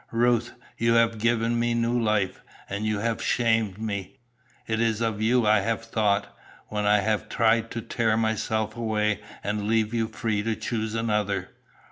"Ruth! You have given me new life. And you have shamed me. It is of you I have thought, when I have tried to tear myself away and leave you free to choose another."